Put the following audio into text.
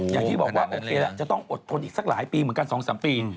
อย่างที่บอกว่าโอเคละจะต้องอดทนอีกสักหลายปีเหมือนกัน๒๓ปี